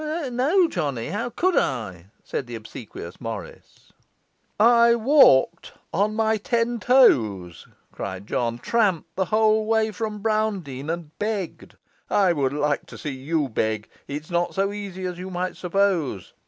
'No, Johnny; how could I?' said the obsequious Morris. 'I walked on my ten toes!' cried John; 'tramped the whole way from Browndean; and begged! I would like to see you beg. It's not so easy as you might suppose.